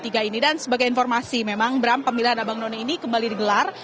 saya berharap bahwa pemilihan abang none ini akan dikembali di gelar